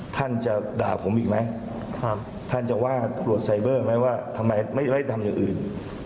ท่านจะด่าผมอีกไหมท่านจะว่าตรวจไซเบอร์ไหมว่าทำไมไม่ทำอย่างอื่น